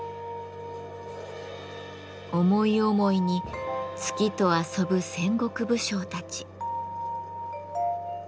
思い思いに月と遊ぶ戦国武将たち。